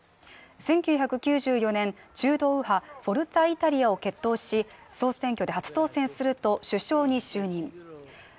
１９９４年、中道右派、フォルツァ・イタリアを結党し、総選挙で初当選すると、首相に就任。